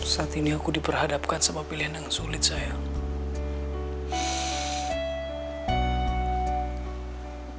saat ini aku diperhadapkan sama pilihan yang sulit sayang